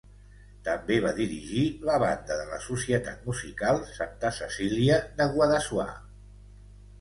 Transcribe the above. També va dirigir la banda de la Societat Musical Santa Cecília de Guadassuar.